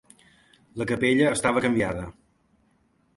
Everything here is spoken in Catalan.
La capella estava canviada.